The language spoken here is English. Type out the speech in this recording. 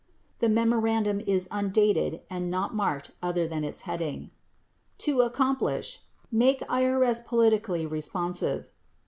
54 The memorandum is undated and not marked other than its heading: "To accomplish: Make IRS polit ically responsive."